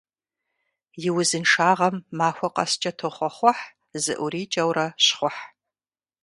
И узыншагъэм махуэ къэскӀэ тохъуэхъухь, зыӀурикӀэурэ щхъухь.